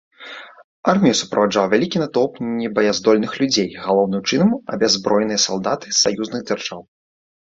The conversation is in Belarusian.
Армію суправаджаў вялікі натоўп небаяздольных людзей, галоўнай чынам абяззброеныя салдаты з саюзных дзяржаў.